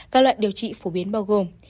các loại điều trị phổ biến bao gồm